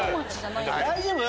大丈夫？